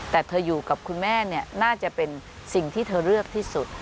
แต่เธออยู่กับคุณแม่น่าจะเป็นสิ่งที่เธอเลือกที่สุด